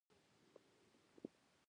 چین د مصنوعي ځیرکتیا مرکز دی.